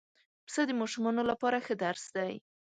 پسه د ماشومانو لپاره ښه درس دی.